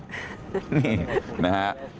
นี่นะฮะ